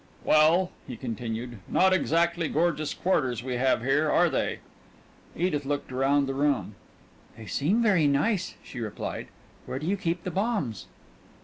"Well," he continued, "not exactly gorgeous quarters we have here, are they?" Edith looked around the room. "They seem very nice," she replied. "Where do you keep the bombs?"